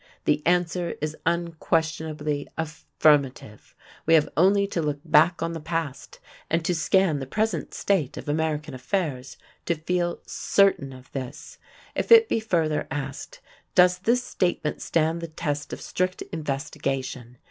The answer is unquestionably affirmative. We have only to look back on the past, and to scan the present state of American affairs, to feel certain of this." If it be further asked: "Does this statement stand the test of strict investigation?"